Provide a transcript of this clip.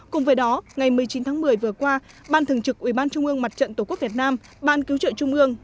cùng với đó ngày một mươi chín tháng một mươi vừa qua ban thường trực ubnd tổ quốc việt nam ban cứu trợ trung ương